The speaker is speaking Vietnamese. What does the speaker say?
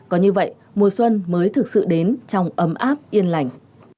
có như vậy mùa xuân mới thực sự đến trong ấm áp yên lành